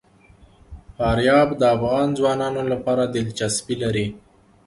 فاریاب د افغان ځوانانو لپاره دلچسپي لري.